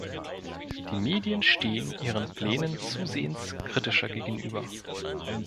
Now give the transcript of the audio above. Die Medien stehen Ihren Plänen zusehends kritischer gegenüber.